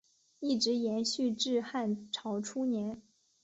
一直延续至汉朝初年。